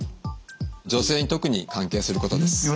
女性に特に関係することです。